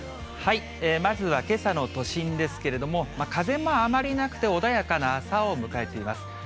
まずはけさの都心ですけれども、風もあまりなくて穏やかな朝を迎えています。